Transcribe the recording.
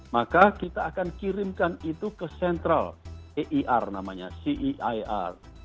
maka kita akan kirimkan itu ke central eir namanya c e i r